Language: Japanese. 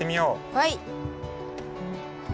はい。